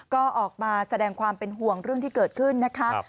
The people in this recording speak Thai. ก็ออกมาแสดงความเป็นห่วงเรื่องที่เกิดขึ้นนะคะ